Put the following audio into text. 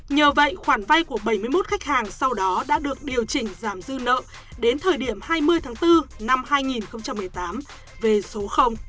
nhờ vậy khoản vay của bảy mươi một khách hàng sau đó đã được điều chỉnh giảm dư nợ đến thời điểm hai mươi tháng bốn năm hai nghìn một mươi tám về số